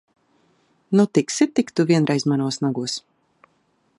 Nu, tiksi tik tu vienreiz manos nagos!